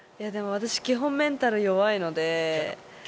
基本、私はメンタル弱いので。